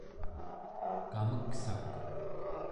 kameksak